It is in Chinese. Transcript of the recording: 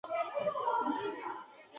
分为神南一丁目与神南二丁目。